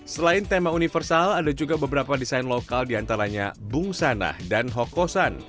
selain tema universal ada juga beberapa desain lokal diantaranya bung sanah dan hokosan